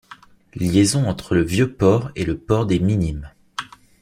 Liaison entre le Vieux Port et le port des Minimes.